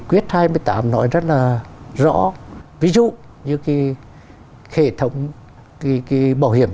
quyết hai mươi tám nói rất là rõ ví dụ như cái hệ thống cái bảo hiểm